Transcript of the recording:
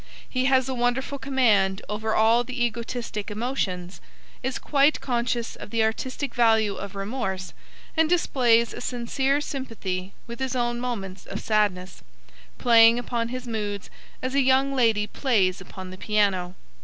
He has a wonderful command over all the egotistic emotions, is quite conscious of the artistic value of remorse, and displays a sincere sympathy with his own moments of sadness, playing upon his moods as a young lady plays upon the piano.